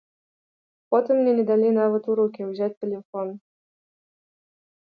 Потым мне не далі нават у рукі ўзяць тэлефон.